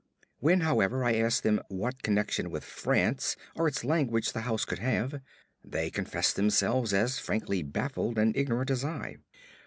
When, however, I asked them what connection with France or its language the house could have, they confessed themselves as frankly baffled and ignorant as I.